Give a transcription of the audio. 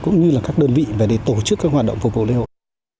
cũng như là các đơn vị về để tổ chức các hoạt động phục vụ lễ hội